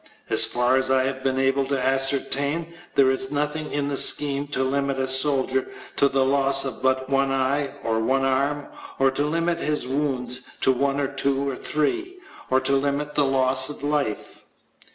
As far as I have been able to ascertain there is nothing in the scheme to limit a soldier to the loss of but one eye, or one arm, or to limit his wounds to one or two or three. Or to limit the loss of life.